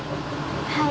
はい。